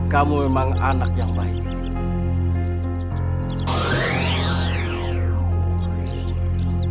kamu memang anak yang baik